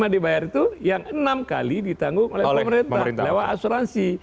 lima dibayar itu yang enam kali ditanggung oleh pemerintah lewat asuransi